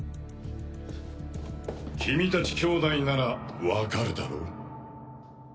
君たち兄妹ならわかるだろう？